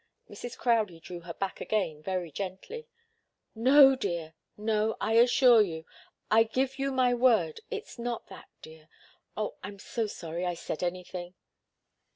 Mrs. Crowdie drew her back again very gently. "No, dear no, I assure I give you my word it's not that, dear oh, I'm so sorry I said anything!"